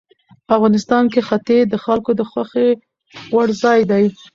افغانستان کې ښتې د خلکو د خوښې وړ ځای دی.